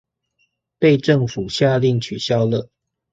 被政府下令取消了